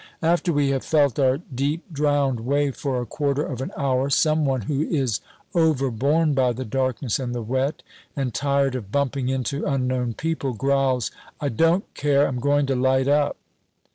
After we have felt our deep drowned way for a quarter of an hour, some one who is overborne by the darkness and the wet, and tired of bumping into unknown people, growls, "I don't care I'm going to light up."